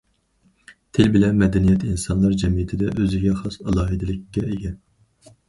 تىل بىلەن مەدەنىيەت ئىنسانلار جەمئىيىتىدە ئۆزىگە خاس ئالاھىدىلىككە ئىگە.